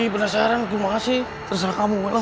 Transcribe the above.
penasaran terima kasih terserah kamu